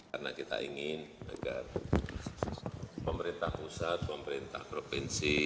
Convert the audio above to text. karena kita ingin agar pemerintah pusat pemerintah provinsi